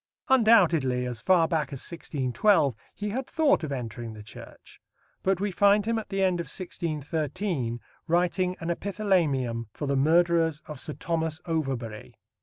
Undoubtedly, as far back as 1612, he had thought of entering the Church. But we find him at the end of 1613 writing an epithalamium for the murderers of Sir Thomas Overbury.